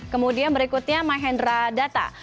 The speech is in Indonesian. kemudian berikutnya myhendradata